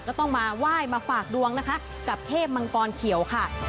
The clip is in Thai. ก็ต้องมาไหว้มาฝากดวงนะคะกับเทพมังกรเขียวค่ะ